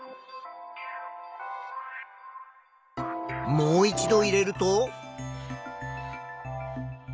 もう一度入れると。